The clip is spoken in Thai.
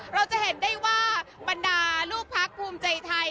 เราจะเห็นได้ว่าบรรดาลูกพักภูมิใจไทย